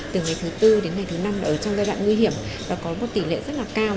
từ ngày thứ tư đến ngày thứ năm là ở trong giai đoạn nguy hiểm và có một tỷ lệ rất là cao